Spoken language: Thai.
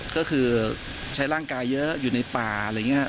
ก็คือใช้ร่างกายเยอะอยู่ในป่าอะไรอย่างนี้